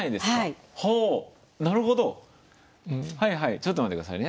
なるほどちょっと待って下さいね。